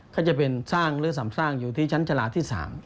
ก็จะเป็นสร้างหรือสำสร้างอยู่ที่ชั้นชาลาที่๓